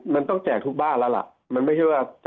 มันต้องแจกทุกบ้านแล้วล่ะ